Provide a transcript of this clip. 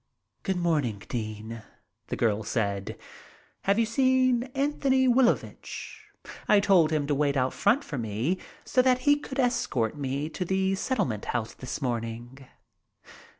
"Good morning, Dean," the girl said. "Have you seen Antony Wilovich? I told him to wait out in front for me so that he could escort me to the Settlement House this morning."